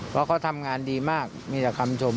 เพราะเขาทำงานดีมากมีแต่คำชม